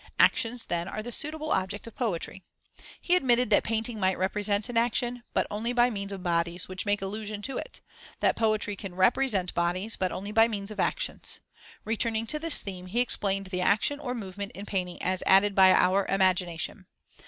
Actions, then, are the suitable object of poetry. He admitted that painting might represent an action, but only by means of bodies which make allusion to it; that poetry can represent bodies, but only by means of actions. Returning to this theme, he explained the action or movement in painting as added by our imagination.